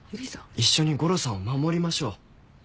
一緒にゴロさんを守りましょう。